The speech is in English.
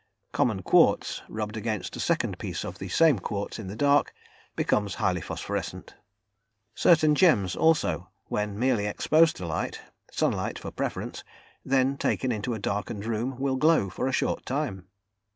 Common quartz, rubbed against a second piece of the same quartz in the dark, becomes highly phosphorescent. Certain gems, also, when merely exposed to light sunlight for preference then taken into a darkened room, will glow for a short time.